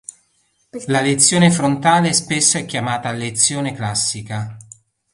La lezione "frontale" spesso è chiamata "lezione classica".